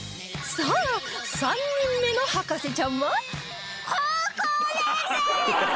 さあ３人目の博士ちゃんは